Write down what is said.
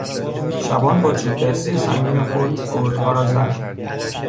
شبان با چوبدستی سنگین خود، گرگها را زد.